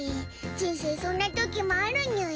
人生そんなときもあるにゅい。